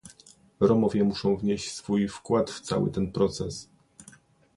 Romowie muszą wnieść swój wkład w cały ten proces